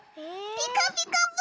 「ピカピカブ！」。